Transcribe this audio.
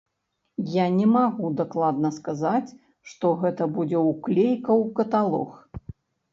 Я не магу дакладна сказаць, што гэта будзе ўклейка ў каталог.